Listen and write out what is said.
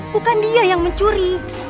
bukan dia yang mencuri